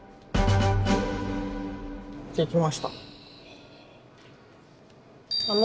できました。